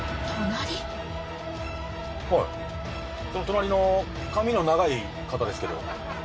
隣の髪の長い方ですけど。